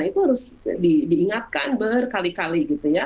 itu harus diingatkan berkali kali gitu ya